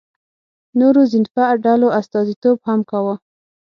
نورو ذینفع ډلو استازیتوب هم کاوه.